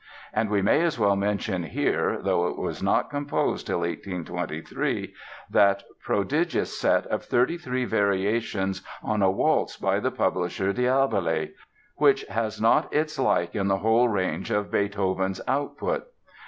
And we may as well mention here (though it was not composed till 1823) that prodigious set of Thirty three Variations on a Waltz by the publisher Diabelli, which has not its like in the whole range of Beethoven's output.